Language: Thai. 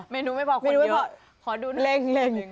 เมนูไม่พอคนเยอะเล็ง